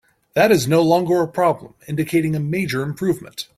That is no longer a problem, indicating a major improvement.